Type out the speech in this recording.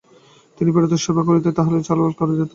তিনি পীড়িতদের সেবা করিতেন এবং তাঁহার চেলারা চাউল বিতরণ করিত।